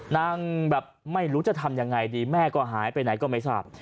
นั่งแบบไม่รู้จะทำยังไงดีแม่ก็หายไปไหนก็ไม่ทราบ